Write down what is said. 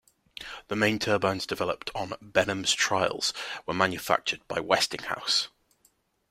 The main turbines developed on "Benham"'s trials and were manufactured by Westinghouse.